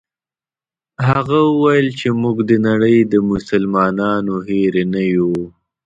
هغه وویل چې موږ د نړۍ د مسلمانانو هېر نه یو.